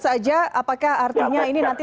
saja apakah artinya ini nanti